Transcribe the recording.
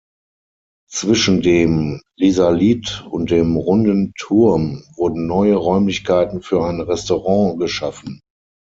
Zwischen dem Risalit und dem runden Turm wurden neue Räumlichkeiten für ein Restaurant geschaffen.